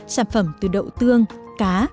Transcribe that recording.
sản phẩm từ đậu tương cá